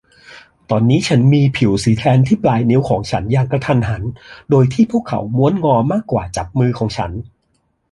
ตอนนี้ฉันมีผิวสีแทนที่ปลายนิ้วของฉันอย่างกระทันหันโดยที่พวกเขาม้วนงอมากกว่ามือจับของฉัน